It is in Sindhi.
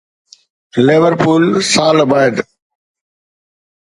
ليورپول سال بعد